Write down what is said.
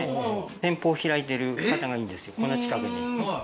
店舗を開いている方がいるんですよ、この近くに。